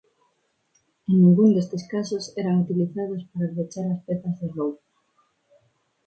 En ningún destes casos eran utilizados para abrochar as pezas de roupa.